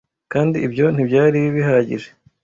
kandi ibyo ntibyari bihagije